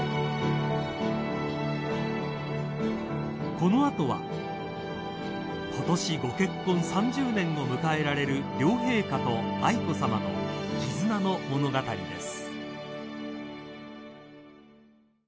［この後は今年ご結婚３０年を迎えられる両陛下と愛子さまの絆の物語です］